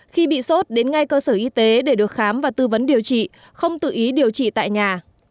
khi bị sốt đến ngay cơ sở y tế để được khám và tư vấn điều trị không tự ý điều trị tại nhà